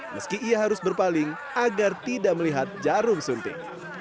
meski ia harus berpaling agar tidak melihat jarum suntik